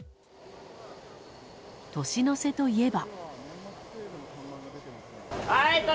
年の瀬といえば。